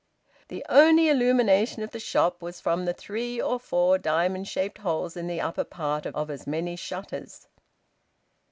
The only illumination of the shop was from three or four diamond shaped holes in the upper part of as many shutters.